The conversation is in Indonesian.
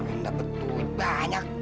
ah cuman dapet duit banyak